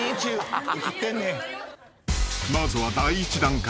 ［まずは第１段階］